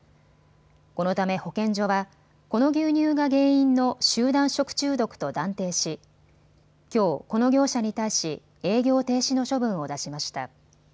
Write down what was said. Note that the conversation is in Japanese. このため保健所はこの牛乳が原因の集団食中毒と断定し、きょう、この業者に対し営業停止の処分を出しました。